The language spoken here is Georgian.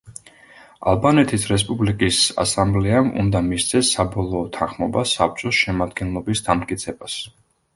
ალბანეთის რესპუბლიკის ასამბლეამ უნდა მისცეს საბოლოო თანხმობა საბჭოს შემადგენლობის დამტკიცებას.